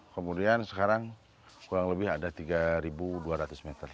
kemudian sekarang kurang lebih ada tiga dua ratus meter